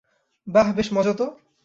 বাহু, বেশ মজা তো!